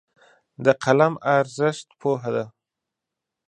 د قلم ارزښت پوهه ده.